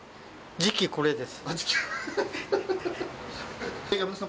次期これです。